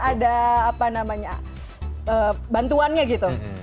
ada bantuannya gitu